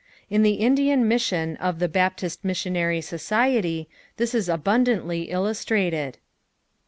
In the Indian misaion of the " Baptist Hissionarr Society," this is abundantly illustrated.